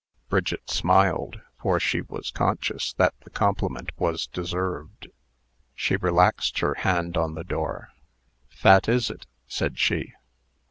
Bridget smiled, for she was conscious that the compliment was deserved. She relaxed her hand on the door. "Fat is it?" said she.